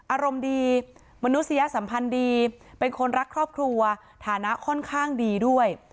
อารมณ์ดีมนุษยสัมพันธ์ดีเป็นคนรักครอบครัวฐานะค่อนข้างดีด้วย